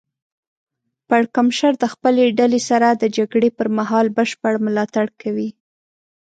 پړکمشر د خپلې ډلې سره د جګړې پر مهال بشپړ ملاتړ کوي.